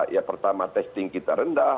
ya pertama testing kita rendah